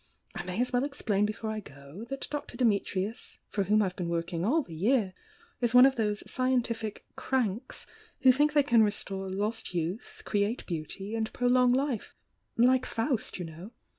I may as well explain before I go, that Dr. Dimitrius, foi whom I've been working all the year, is one of those scientific 'cranks' who think they can restore lost youth, create beauty and prolong life— like Faust, you know!